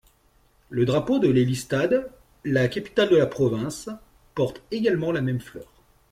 Le drapeau de Lelystad, la capitale de la province, porte également la même fleur.